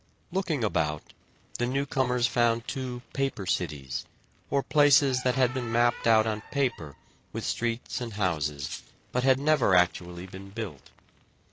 Looking about, the newcomers found two "paper" cities, or places that had been mapped out on paper with streets and houses, but had never actually been built.